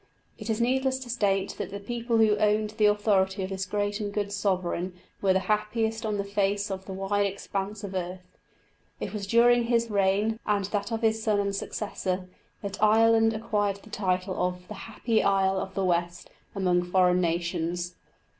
It is needless to state that the people who owned the authority of this great and good sovereign were the happiest on the face of the wide expanse of earth. It was during his reign, and that of his son and successor, that Ireland acquired the title of the "happy isle of the west" among foreign nations.